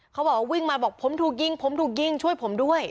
เขาบอกว่าวิ่งมาบอกผมถูกยิงช่วยผมด้วย